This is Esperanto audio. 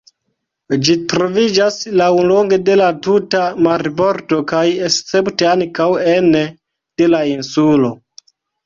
Ĝi troviĝas laŭlonge de la tuta marbordo kaj escepte ankaŭ ene de la insulo.